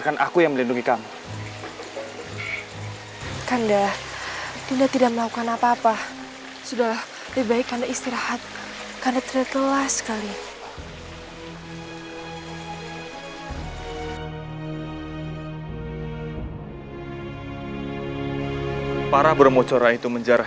sampai jumpa di video selanjutnya